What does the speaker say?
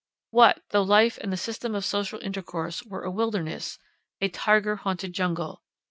What, though life and the system of social intercourse were a wilderness, a tiger haunted jungle!